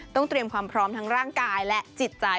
เตรียมความพร้อมทั้งร่างกายและจิตใจ